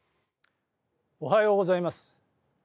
おはようございます。